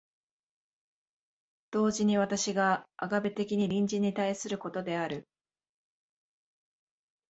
同時に私がアガペ的に隣人に対することである。